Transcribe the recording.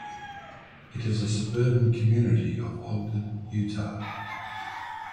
It is a suburban community of Ogden, Utah.